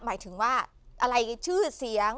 หมายถึงว่าอะไรชื่อเสียง